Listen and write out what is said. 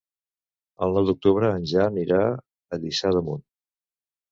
El nou d'octubre en Jan irà a Lliçà d'Amunt.